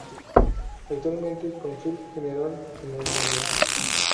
Actualmente Cónsul General en Nueva York.